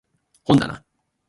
本だな